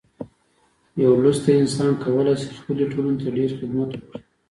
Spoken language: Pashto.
یو لوستی انسان کولی شي خپلې ټولنې ته ډیر خدمت وکړي.